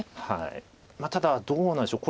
ただどうなんでしょう。